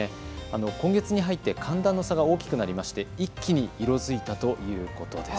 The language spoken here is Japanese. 今月に入って寒暖の差が大きくなり一気に色づいたということです。